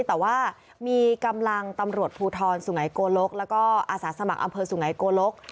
แต่ว่ามีกำลังตำรวจภูทรสุงัยโกลกแล้วก็อาสาสมัครอำเภอสุไงโกลก